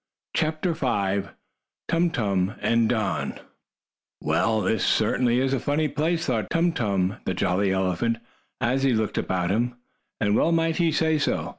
CHAPTER V TUM TUM AND DON "Well, this is certainly a funny place," thought Tum Tum, the jolly elephant, as he looked about him. And well might he say so.